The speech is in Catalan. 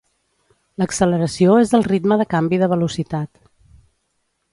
L'acceleració és el ritme de canvi de velocitat.